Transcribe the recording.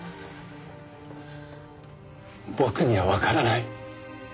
僕にはわからない